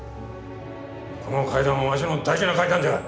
この階段はわしの大事な階段じゃ！